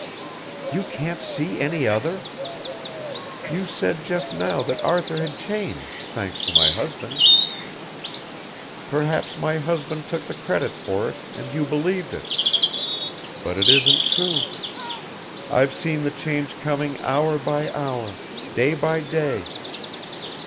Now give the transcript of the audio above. "You can't see any other? You said just now that Arthur had changed thanks to my husband. Perhaps my husband took the credit for it and you believed it. But it isn't true. I've seen the change coming hour by hour, day by day.